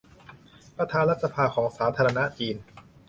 ประธานรัฐสภาสาธารณรัฐจีน